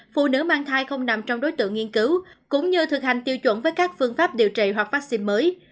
phụ nữ mang thai không nằm trong đối tượng nghiên cứu cũng như thực hành tiêu chuẩn với các phương pháp điều trị hoặc vaccine mới